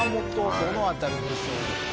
どの辺りでしょうか？